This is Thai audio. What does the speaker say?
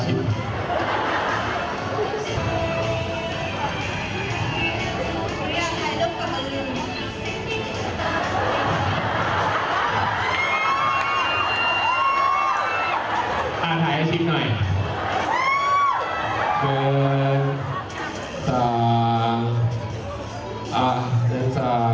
อีกอย่างไม่มีใครแท้นะ